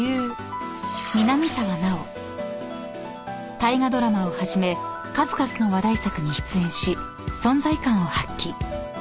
［大河ドラマをはじめ数々の話題作に出演し存在感を発揮］